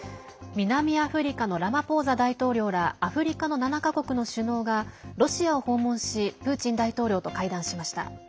南アフリカのラマポーザ大統領らアフリカの７か国の首脳がロシアを訪問しプーチン大統領と会談しました。